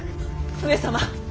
上様！